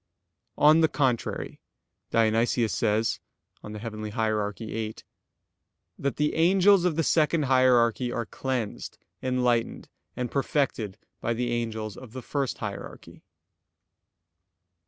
On the contrary, Dionysius says (Coel. Hier. viii) that "the angels of the second hierarchy are cleansed, enlightened and perfected by the angels of the first hierarchy."